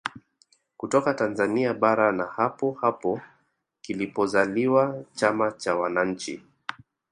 Kutoka Tanzania bara na hapo hapo kilipozaliwa chama cha wananchi